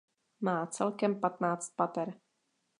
Má celkem patnáct pater.